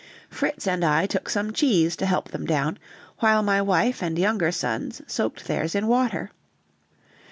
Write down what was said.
Fritz and I took some cheese to help them down, while my wife and younger sons soaked theirs in water.